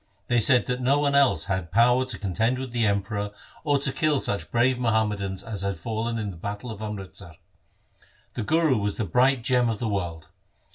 They said that no one else had power to contend with the Emperor or to kill such brave Muhammadans as had fallen in battle in Amritsar. The Guru was the bright gem of the world.